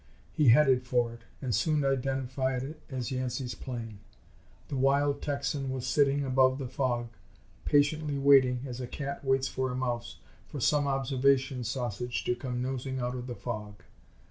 He headed for it, and soon identified it as Yancey's plane. The wild Texan was sitting above the fog, patiently waiting (as a cat waits for a mouse) for some observation sausage to come nosing out of the fog.